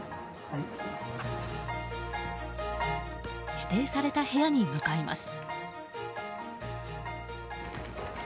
指定された部屋に向かいます。